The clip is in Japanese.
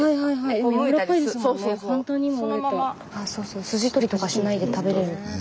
そうそう筋取りとかしないで食べれるって。